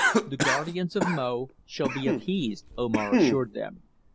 "The guardians of Mo shall be appeased," Omar assured them.